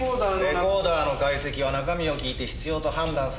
レコーダーの解析は中身を聞いて必要と判断された時のみ行う。